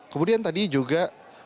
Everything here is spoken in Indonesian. kemudian tadi juga